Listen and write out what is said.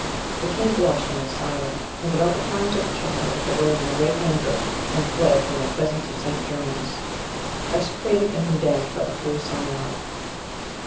The king blushed, and was silent; and, without replying to the child, arose in great anger, and fled from the presence of St. Germanus, execrated and condemned by the whole synod.